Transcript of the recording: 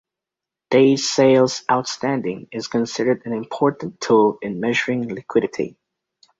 Days sales outstanding is considered an important tool in measuring liquidity.